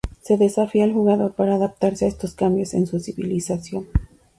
Se desafía al jugador para adaptarse a estos cambios en su civilización.